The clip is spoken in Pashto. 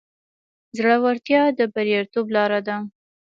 زړورتیا د بریالیتوب لاره ده.